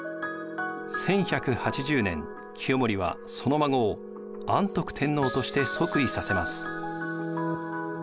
１１８０年清盛はその孫を安徳天皇として即位させます。